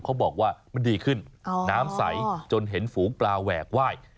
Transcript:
เขาบอกว่ามันดีขึ้นน้ำใสจนเห็นฝูงปลาแหวกไหว้